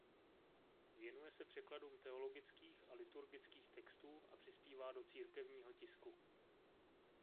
Věnuje se překladům teologických a liturgických textů a přispívá do církevního tisku.